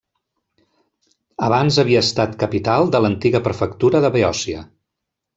Abans havia estat capital de l'antiga prefectura de Beòcia.